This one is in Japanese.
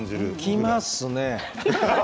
きますね。